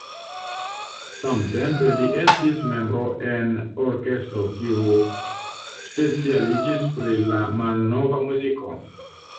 Samtempe li estis membro en orkestro, kiu specialiĝis pri la malnova muziko.